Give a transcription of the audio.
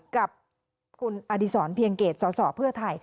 กับคุณอดีศรเพียงเกตสสเพื่อไทย